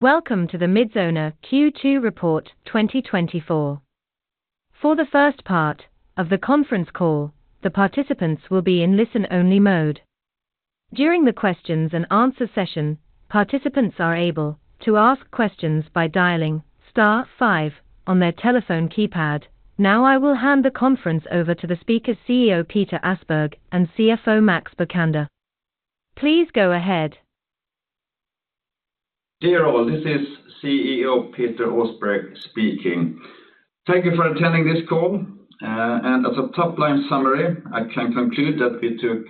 Welcome to the Midsona Q2 Report 2024. For the first part of the conference call, the participants will be in listen-only mode. During the questions and answer session, participants are able to ask questions by dialing star five on their telephone keypad. Now, I will hand the conference over to the speakers, CEO Peter Åsberg, and CFO Max Bokander. Please go ahead. Dear all, this is CEO Peter Åsberg speaking. Thank you for attending this call. And as a top-line summary, I can conclude that we took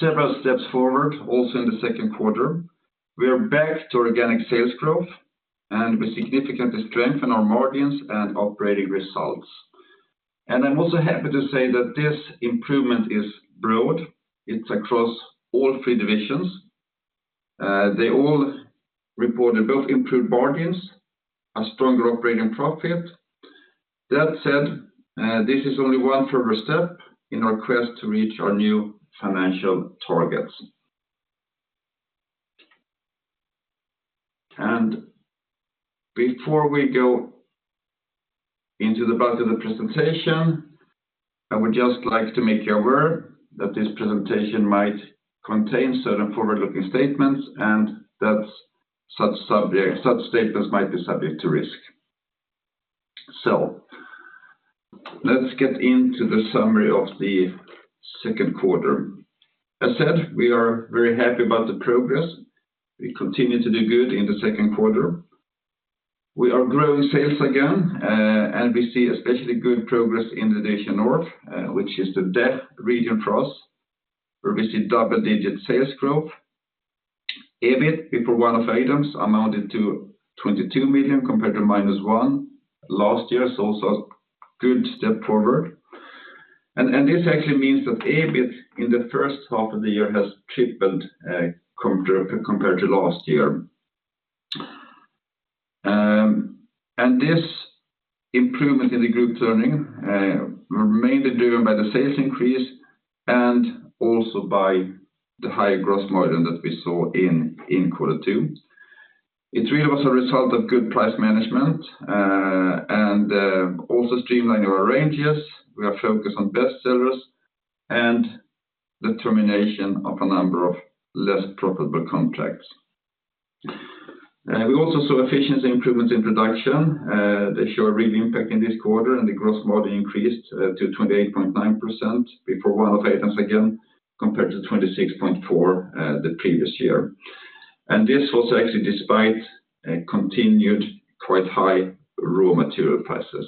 several steps forward, also in the second quarter. We are back to organic sales growth, and we significantly strengthen our margins and operating results. And I'm also happy to say that this improvement is broad. It's across all three divisions. They all reported both improved margins and stronger operating profit. That said, this is only one further step in our quest to reach our new financial targets. And before we go into the body of the presentation, I would just like to make you aware that this presentation might contain certain forward-looking statements, and that such statements might be subject to risk. So let's get into the summary of the second quarter. As said, we are very happy about the progress. We continue to do good in the second quarter. We are growing sales again, and we see especially good progress in the division North, which is the DACH region for us, where we see double-digit sales growth. EBIT, before one-off items, amounted to 22 million, compared to -1 million last year, so also a good step forward. And this actually means that EBIT in the first half of the year has tripled, compared to, compared to last year. And this improvement in the group earnings were mainly driven by the sales increase and also by the higher gross margin that we saw in quarter two. It really was a result of good price management, and also streamline our ranges. We are focused on best sellers and the termination of a number of less profitable contracts. We also saw efficiency improvements in production. They show a real impact in this quarter, and the gross margin increased to 28.9% before one-off items, again, compared to 26.4% the previous year. And this was actually despite a continued quite high raw material prices.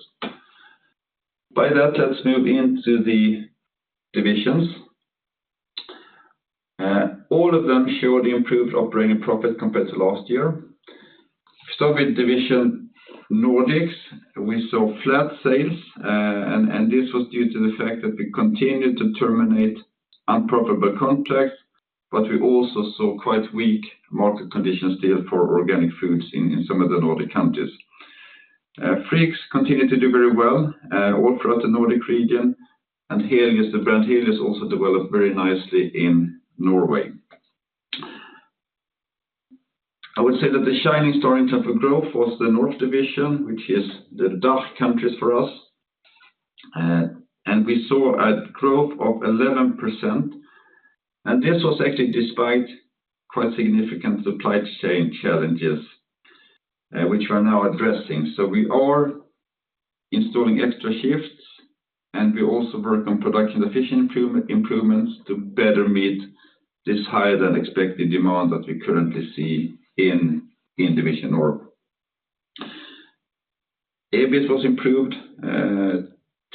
By that, let's move into the divisions. All of them showed the improved operating profit compared to last year. Start with division Nordics. We saw flat sales, and this was due to the fact that we continued to terminate unprofitable contracts, but we also saw quite weak market conditions still for organic foods in some of the Nordic countries. Friggs continued to do very well all throughout the Nordic region, and Helios, the brand Helios, also developed very nicely in Norway. I would say that the shining star in terms of growth was the North division, which is the DACH countries for us, and we saw a growth of 11%, and this was actually despite quite significant supply chain challenges, which we are now addressing. So we are installing extra shifts, and we also work on production efficiency improvements to better meet this higher-than-expected demand that we currently see in division North. EBIT was improved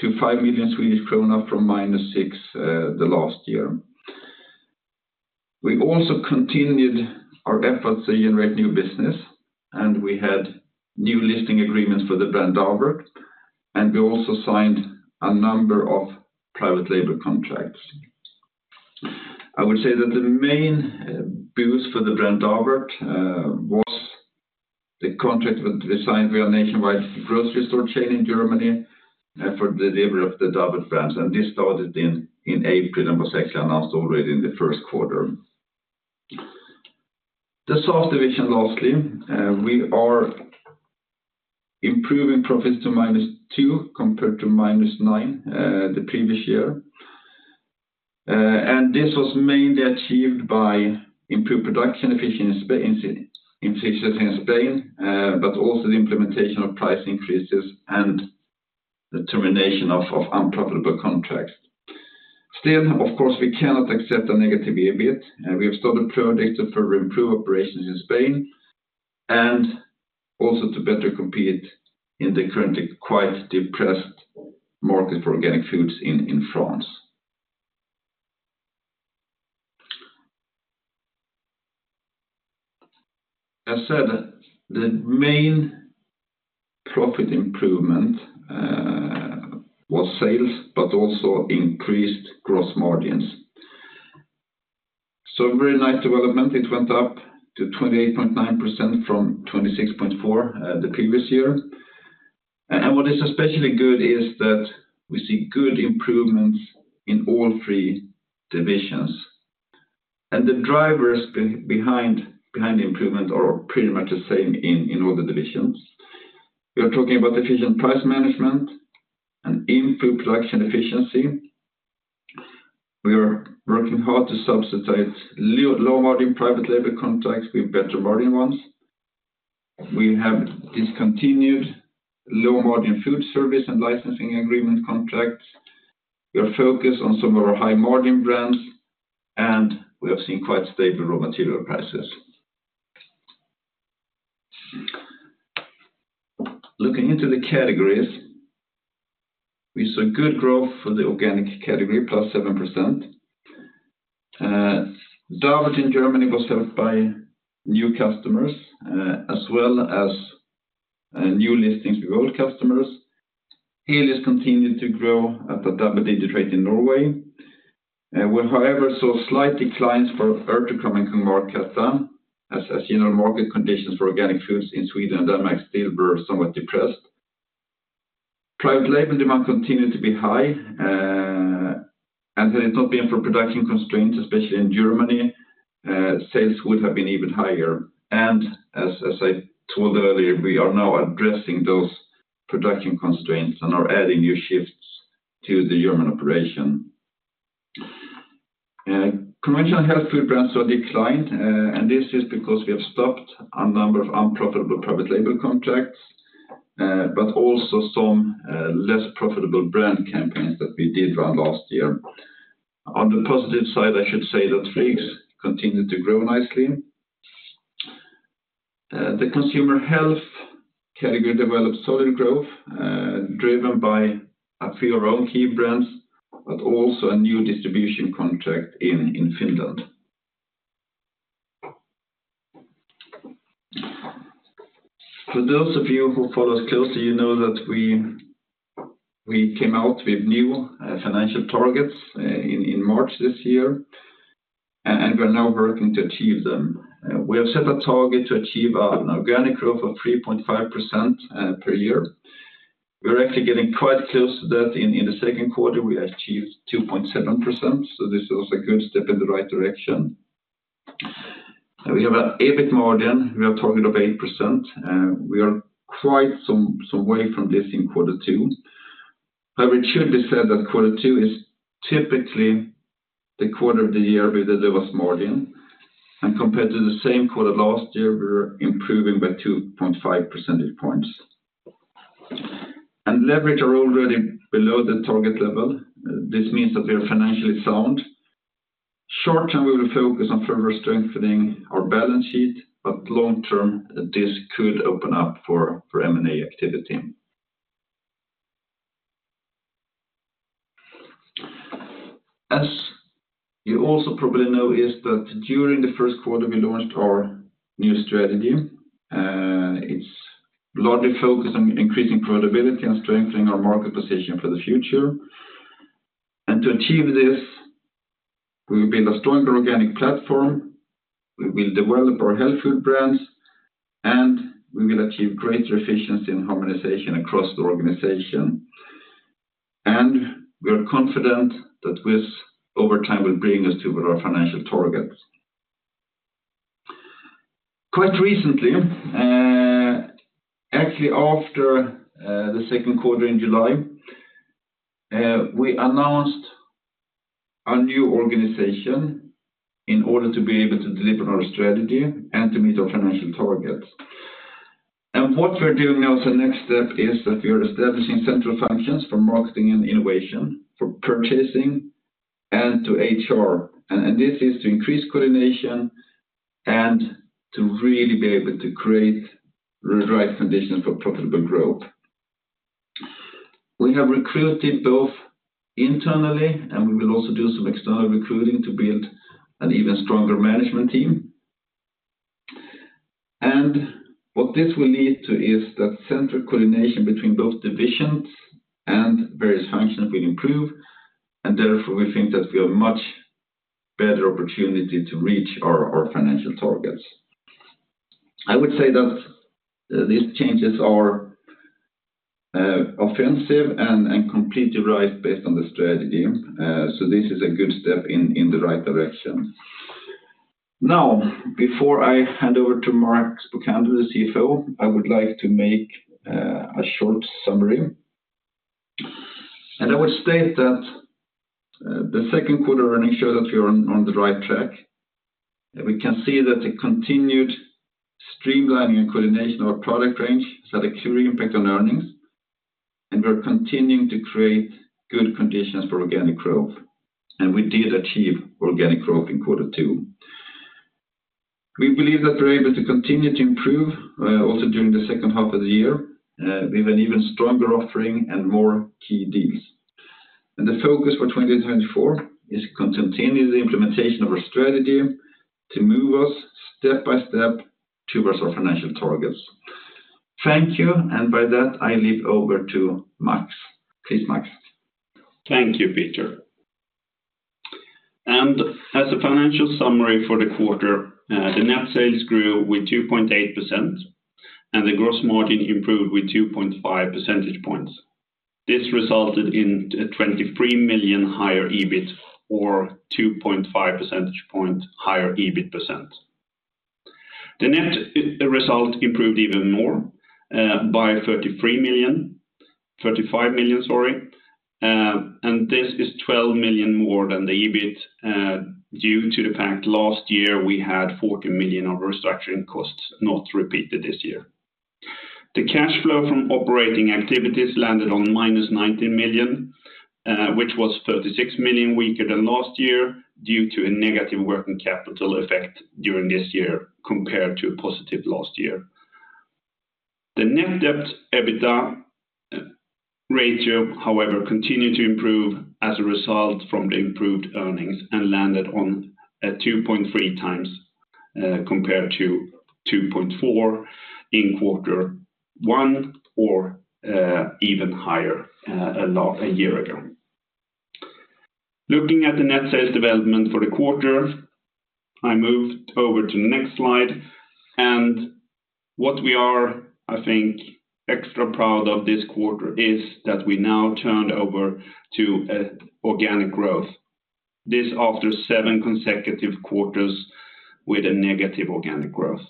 to 5 million Swedish krona from -6 million last year. We also continued our efforts to generate new business, and we had new listing agreements for the brand Davert, and we also signed a number of private label contracts. I would say that the main boost for the brand Davert was the contract that we signed with a nationwide grocery store chain in Germany for the delivery of the Davert brand, and this started in April and was actually announced already in the first quarter. The South division, lastly, we are improving profits to -2 compared to -9 the previous year. And this was mainly achieved by improved production efficiency in Spain, but also the implementation of price increases and the termination of unprofitable contracts. Still, of course, we cannot accept a negative EBIT, and we have started projects to further improve operations in Spain, and also to better compete in the currently quite depressed market for organic foods in France. As said, the main profit improvement was sales, but also increased gross margins. Very nice development. It went up to 28.9% from 26.4%, the previous year. What is especially good is that we see good improvements in all three divisions. The drivers behind the improvement are pretty much the same in all the divisions. We are talking about efficient price management and improved production efficiency. We are working hard to substitute low-margin private label contracts with better margin ones. We have discontinued low-margin food service and licensing agreement contracts. We are focused on some of our high-margin brands, and we have seen quite stable raw material prices. Looking into the categories, we saw good growth for the organic category, +7%. Davert in Germany was helped by new customers, as well as new listings with old customers. Helios has continued to grow at a double-digit rate in Norway. We, however, saw slight declines for Urtekram and Kung Markatta, as you know, market conditions for organic foods in Sweden and Denmark still were somewhat depressed. Private label demand continued to be high, and had it not been for production constraints, especially in Germany, sales would have been even higher. And as I told earlier, we are now addressing those production constraints and are adding new shifts to the German operation. Commercial health food brands saw a decline, and this is because we have stopped a number of unprofitable private label contracts, but also some less profitable brand campaigns that we did run last year. On the positive side, I should say that Friggs continued to grow nicely. The consumer health category developed solid growth, driven by a few of our own key brands, but also a new distribution contract in Finland. For those of you who follow us closely, you know that we came out with new financial targets in March this year, and we're now working to achieve them. We have set a target to achieve an organic growth of 3.5% per year. We're actually getting quite close to that. In the second quarter, we achieved 2.7%, so this was a good step in the right direction. We have a EBIT margin, we have target of 8%, we are quite some way from this in quarter two. But it should be said that quarter two is typically the quarter of the year with the lowest margin, and compared to the same quarter last year, we're improving by 2.5 percentage points. And leverage are already below the target level. This means that we are financially sound. Short term, we will focus on further strengthening our balance sheet, but long term, this could open up for M&A activity. As you also probably know, is that during the first quarter, we launched our new strategy. It's largely focused on increasing profitability and strengthening our market position for the future. And to achieve this, we will build a stronger organic platform, we will develop our health food brands, and we will achieve greater efficiency and harmonization across the organization. And we are confident that this, over time, will bring us to with our financial targets. Quite recently, actually after the second quarter in July, we announced a new organization in order to be able to deliver on our strategy and to meet our financial targets. And what we're doing now, the next step, is that we are establishing central functions for marketing and innovation, for purchasing, and to HR. And this is to increase coordination and to really be able to create the right conditions for profitable growth. We have recruited both internally, and we will also do some external recruiting to build an even stronger management team. And what this will lead to is that central coordination between both divisions and various functions will improve, and therefore, we think that we have much better opportunity to reach our financial targets. I would say that these changes are offensive and completely right based on the strategy. So this is a good step in the right direction. Now, before I hand over to Max Bokander, the CFO, I would like to make a short summary. And I would state that the second quarter earnings show that we are on the right track, that we can see that the continued streamlining and coordination of our product range has had a clear impact on earnings, and we are continuing to create good conditions for organic growth, and we did achieve organic growth in quarter two. We believe that we're able to continue to improve also during the second half of the year with an even stronger offering and more key deals. And the focus for 2024 is to continue the implementation of our strategy to move us step by step towards our financial targets. Thank you, and by that, I leave over to Max. Please, Max. Thank you, Peter. And as a financial summary for the quarter, the net sales grew with 2.8%, and the gross margin improved with 2.5 percentage points. This resulted in 23 million higher EBIT or 2.5 percentage point higher EBIT %. The net result improved even more, by 33 million, 35 million, sorry. And this is 12 million more than the EBIT, due to the fact last year we had 14 million of restructuring costs, not repeated this year. The cash flow from operating activities landed on -19 million, which was 36 million weaker than last year due to a negative working capital effect during this year compared to positive last year. The net debt EBITDA ratio, however, continued to improve as a result from the improved earnings and landed on a 2.3 times, compared to 2.4 in quarter one or even higher a lot a year ago. Looking at the net sales development for the quarter, I move over to the next slide, and what we are, I think, extra proud of this quarter is that we now turned over to organic growth. This after seven consecutive quarters with a negative organic growth.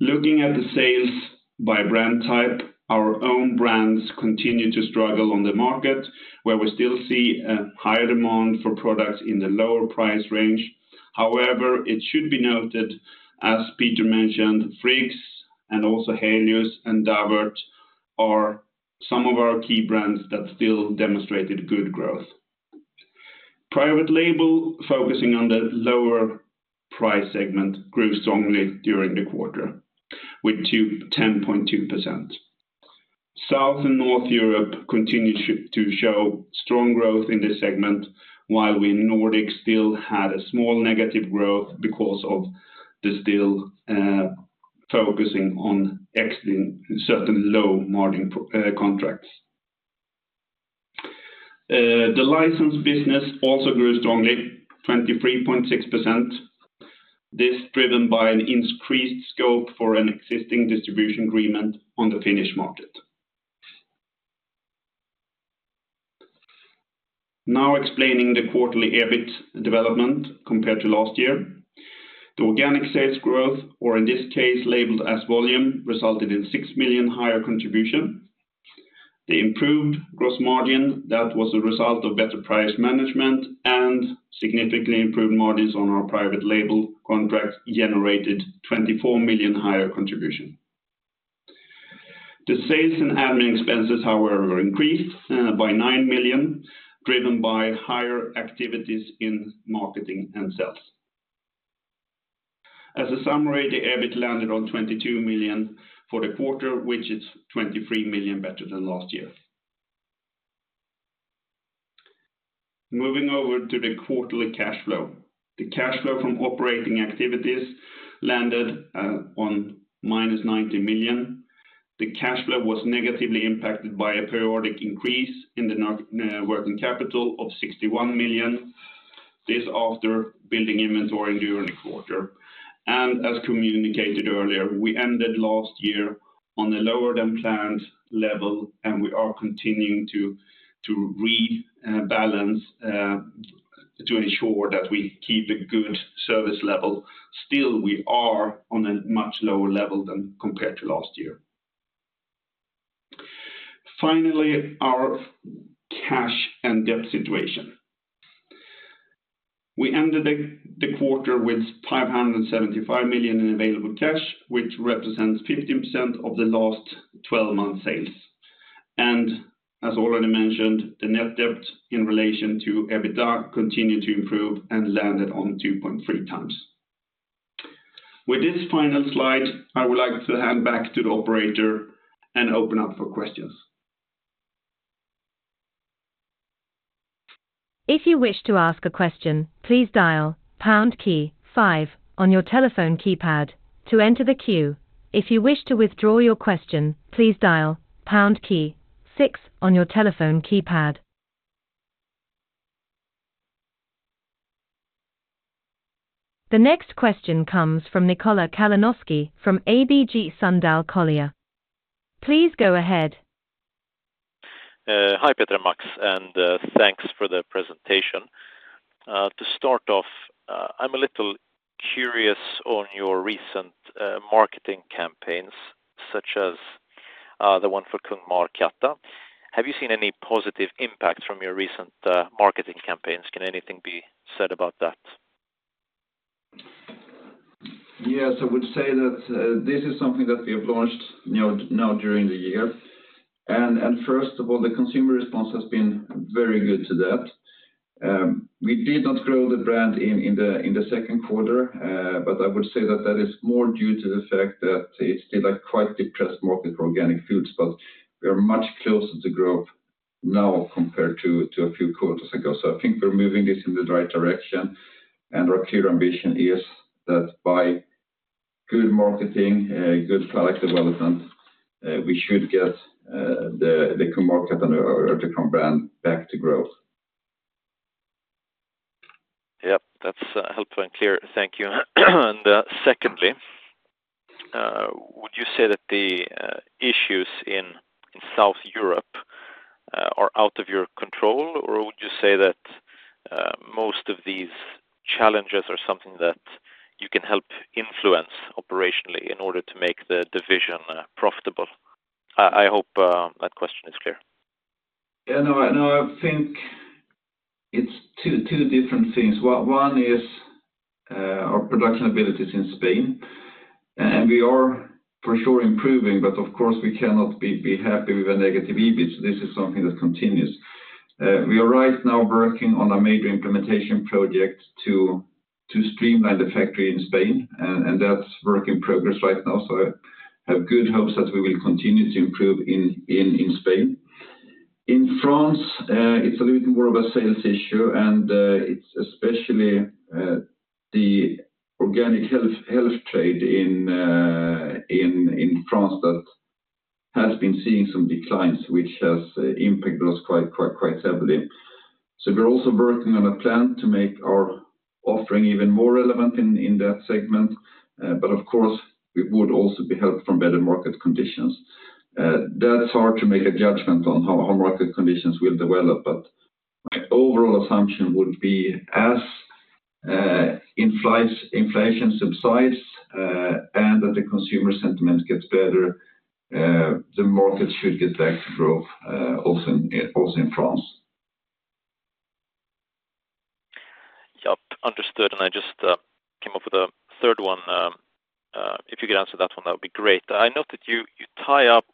Looking at the sales by brand type, our own brands continue to struggle on the market, where we still see a higher demand for products in the lower price range. However, it should be noted, as Peter mentioned, Friggs, and also Helios and Davert are some of our key brands that still demonstrated good growth. Private label, focusing on the lower price segment, grew strongly during the quarter with 10.2%. South and North Europe continued to show strong growth in this segment, while we in Nordic still had a small negative growth because of the still focusing on exiting certain low margin contracts. The licensed business also grew strongly, 23.6%. This driven by an increased scope for an existing distribution agreement on the Finnish market. Now, explaining the quarterly EBIT development compared to last year. The organic sales growth, or in this case, labeled as volume, resulted in 6 million higher contribution. The improved gross margin, that was a result of better price management and significantly improved margins on our private label contracts, generated 24 million higher contribution. The sales and admin expenses, however, increased by 9 million, driven by higher activities in marketing and sales. As a summary, the EBIT landed on 22 million for the quarter, which is 23 million better than last year. Moving over to the quarterly cash flow. The cash flow from operating activities landed on -90 million. The cash flow was negatively impacted by a periodic increase in the working capital of 61 million. This after building inventory during the quarter. And as communicated earlier, we ended last year on a lower than planned level, and we are continuing to balance to ensure that we keep the good service level. Still, we are on a much lower level than compared to last year. Finally, our cash and debt situation. We ended the quarter with 575 million in available cash, which represents 15% of the last twelve months sales. As already mentioned, the net debt in relation to EBITDA continued to improve and landed on 2.3 times. With this final slide, I would like to hand back to the operator and open up for questions. If you wish to ask a question, please dial pound key five on your telephone keypad to enter the queue. If you wish to withdraw your question, please dial pound key six on your telephone keypad. The next question comes from Nikola Kalanoski from ABG Sundal Collier. Please go ahead. Hi, Peter and Max, and thanks for the presentation. To start off, I'm a little curious on your recent marketing campaigns, such as the one for Kung Markatta. Have you seen any positive impact from your recent marketing campaigns? Can anything be said about that? Yes, I would say that this is something that we have launched now during the year. First of all, the consumer response has been very good to that. We did not grow the brand in the second quarter, but I would say that that is more due to the fact that it's still a quite depressed market for organic foods, but we are much closer to growth now compared to a few quarters ago. So I think we're moving this in the right direction, and our clear ambition is that by-... good marketing, good product development, we should get the Kung Markatta and Urtekram brand back to growth. Yep, that's helpful and clear. Thank you. And secondly, would you say that the issues in South Europe are out of your control? Or would you say that most of these challenges are something that you can help influence operationally in order to make the division profitable? I hope that question is clear. Yeah, no, I know. I think it's two different things. One is our production abilities in Spain, and we are for sure improving, but of course, we cannot be happy with a negative EBIT. This is something that continues. We are right now working on a major implementation project to streamline the factory in Spain, and that's work in progress right now. So I have good hopes that we will continue to improve in Spain. In France, it's a little bit more of a sales issue, and it's especially the organic health trade in France that has been seeing some declines, which has impacted us quite heavily. So we're also working on a plan to make our offering even more relevant in that segment. But of course, we would also be helped from better market conditions. That's hard to make a judgment on how our market conditions will develop, but my overall assumption would be as inflation subsides, and that the consumer sentiment gets better, the market should get back to growth, also in France. Yep, understood, and I just came up with a third one. If you could answer that one, that would be great. I note that you tie up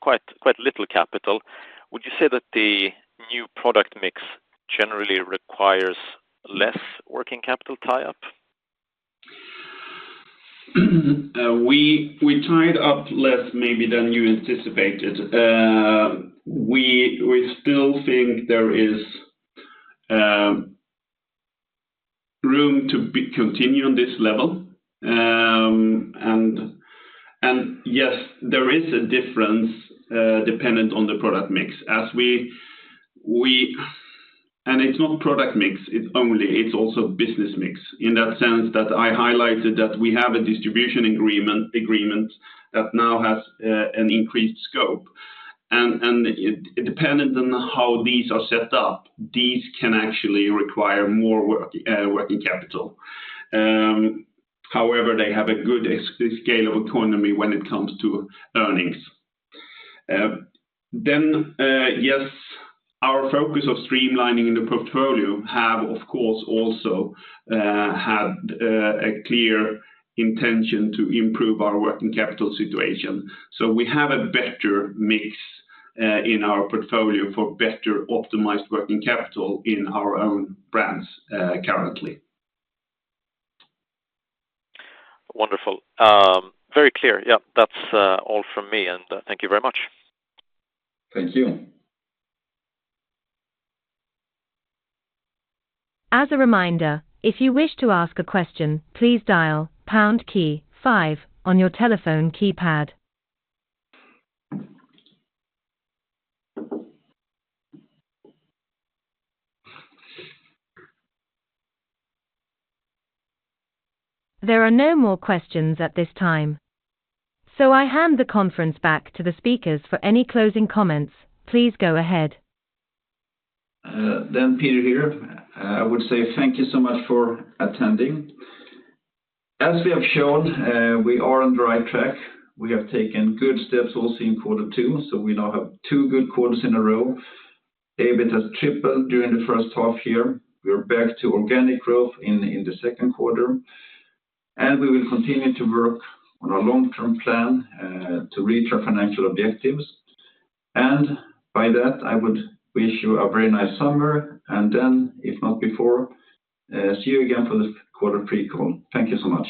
quite little capital. Would you say that the new product mix generally requires less working capital tie-up? We tied up less, maybe than you anticipated. We still think there is room to continue on this level. And yes, there is a difference dependent on the product mix. And it's not product mix, it's also business mix. In that sense that I highlighted that we have a distribution agreement that now has an increased scope. And it depends on how these are set up, these can actually require more working capital. However, they have good economies of scale when it comes to earnings. Then yes, our focus of streamlining the portfolio have, of course, also had a clear intention to improve our working capital situation. So we have a better mix in our portfolio for better optimized working capital in our own brands, currently. Wonderful. Very clear. Yep, that's all from me, and thank you very much. Thank you. As a reminder, if you wish to ask a question, please dial pound key five on your telephone keypad. There are no more questions at this time, so I hand the conference back to the speakers for any closing comments. Please go ahead. Then Peter here. I would say thank you so much for attending. As we have shown, we are on the right track. We have taken good steps also in quarter two, so we now have two good quarters in a row. EBIT has tripled during the first half year. We are back to organic growth in, in the second quarter, and we will continue to work on our long-term plan, to reach our financial objectives. And by that, I would wish you a very nice summer, and then, if not before, see you again for this quarter three call. Thank you so much.